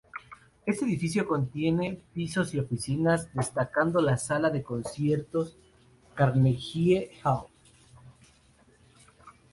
Este edificio contiene pisos y oficinas, destacando la sala de conciertos Carnegie Hall.